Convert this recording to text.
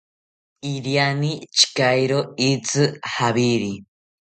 Iriani chekairo itzi javiri